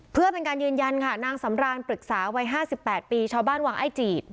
เพื่อเป็นการยืนยันค่ะนางสำรานปรึกษาวัย๕๘ปีชาวบ้านวังไอ้จีด